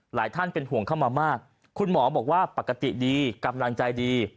หลายท่านเป็นห่วงเข้ามามากคุณหมอบอกว่าปกติดีกำลังใจดี